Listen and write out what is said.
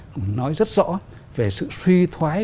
cũng nói rất rõ về sự suy thoái